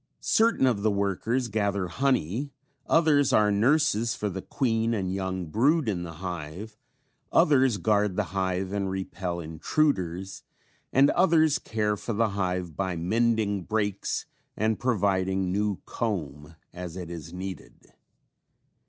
Certain of the workers gather honey, others are nurses for the queen and young brood in the hive, others guard the hive and repel intruders, and others care for the hive by mending breaks and providing new comb as it is needed.